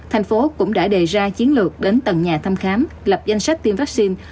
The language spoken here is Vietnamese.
thành phố cũng đã đề ra chiến lược đến tầng nhà thăm khám lập danh sách tiêm vaccine